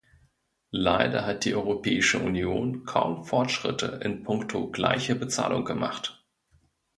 Leider hat die Europäische Union kaum Fortschritte in punkto gleiche Bezahlung gemacht.